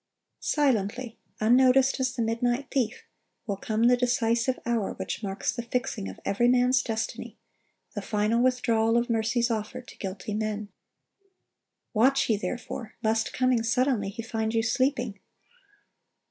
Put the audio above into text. (876) Silently, unnoticed as the midnight thief, will come the decisive hour which marks the fixing of every man's destiny, the final withdrawal of mercy's offer to guilty men. "Watch ye therefore: ... lest coming suddenly He find you sleeping."